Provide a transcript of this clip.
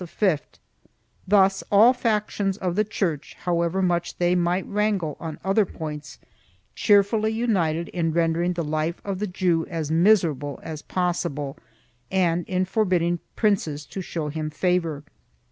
3 Thus all factions of the Church, however much they might wrangle on other points, cheerfully united in rendering the life of the Jew as miserable as possible and in forbidding princes to show him favor.